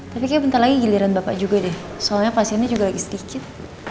tapi kayaknya bentar lagi giliran bapak juga deh soalnya pasiennya juga lagi sedikit